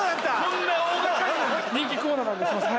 人気コーナーなんですいません。